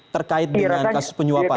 terkait dengan kasus penyuapan